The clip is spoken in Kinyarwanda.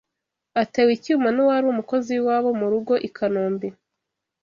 atewe icyuma n’uwari umukozi w’iwabo mu rugo i Kanombe